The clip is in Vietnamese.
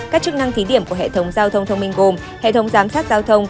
các chức năng thí điểm của hệ thống giao thông thông minh gồm hệ thống giám sát giao thông